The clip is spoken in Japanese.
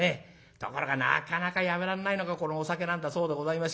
ところがなかなかやめられないのがこのお酒なんだそうでございますよ。